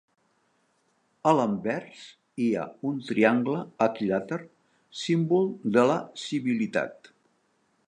A l'anvers hi ha un triangle equilàter símbol de la civilitat.